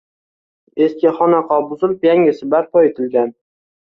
Eski xonaqo buzilib, yangisi barpo etilgan